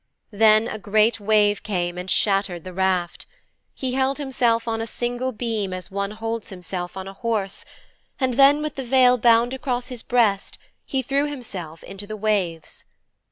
Then a great wave came and shattered the raft. He held himself on a single beam as one holds himself on a horse, and then, with the veil bound across his breast, he threw himself into the waves.